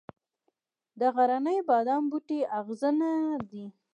د غرني بادام بوټی اغزنه دی